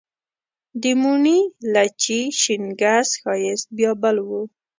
د موڼي، لچي، شینګس ښایست بیا بل و